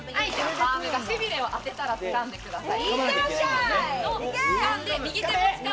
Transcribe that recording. パームが背びれをあてたら掴んでください。